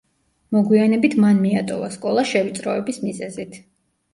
მოგვიანებით მან მიატოვა სკოლა შევიწროვების მიზეზით.